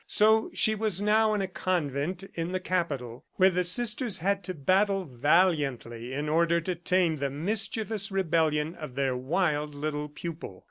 So she was now in a convent in the Capital, where the Sisters had to battle valiantly in order to tame the mischievous rebellion of their wild little pupil.